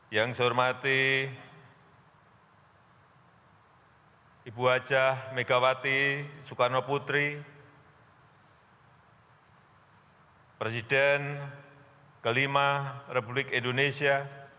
yang saya hormati ibu hj megawati soekarnoputri presiden kelima republik indonesia